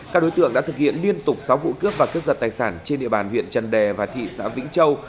các đối tượng đã thực hiện liên tục sáu vụ cướp và cướp giật tài sản trên địa bàn huyện trần đè và thị xã vĩnh châu